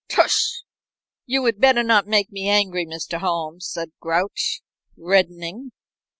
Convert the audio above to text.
"Tush! You would better not make me angry, Mr. Holmes," said Grouch, reddening.